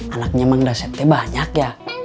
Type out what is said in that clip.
anaknya mandasete banyak ya